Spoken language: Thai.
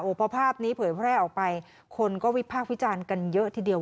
พอภาพนี้เผยแพร่ออกไปคนก็วิพากษ์วิจารณ์กันเยอะทีเดียว